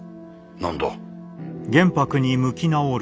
何だ？